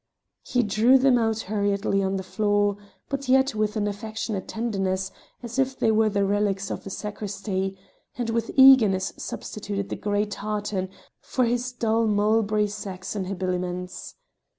He drew them out hurriedly upon the floor, but yet with an affectionate tenderness, as if they were the relics of a sacristy, and with eagerness substituted the gay tartan for his dull mulberry Saxon habiliments.